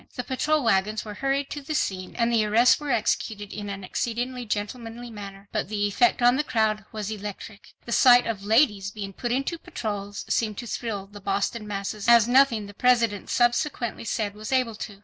The patrol wagons were hurried to the scene and the arrests were executed in an exceedingly gentlemanly manner. But the effect on the crowd was electric. The sight of 'ladies' being put into patrols, seemed to thrill the Boston masses as nothing the President subsequently said was able to.